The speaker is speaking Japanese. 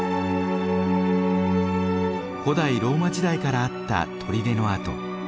古代ローマ時代からあった砦の跡。